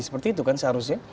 seperti itu kan seharusnya